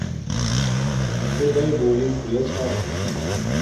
اِشݸ دئی بݸرݵک ہݸُیݳ چھݳ کݳ.